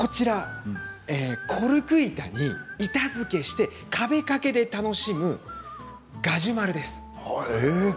コルク板に板付けをして壁掛けで楽しめるガジュマルです。